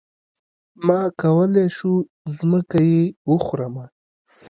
ما کولی شو ځمکه يې وخورمه.